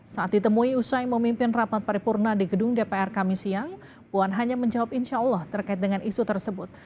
saat ditemui usai memimpin rapat paripurna di gedung dpr kami siang puan hanya menjawab insya allah terkait dengan isu tersebut